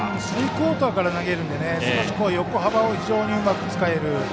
スリークオーターから投げるので横幅を非常にうまく使える。